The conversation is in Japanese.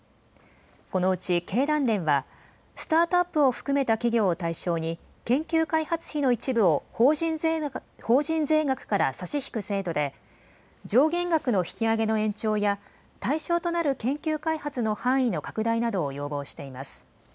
このうち経団連はスタートアップを含めた企業を対象に研究開発費の一部を法人税額から差し引く制度で上限額の引き上げの延長や対象となる研究開発の範囲の拡大などを要望しています。